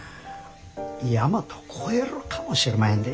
大和超えるかもしれまへんで。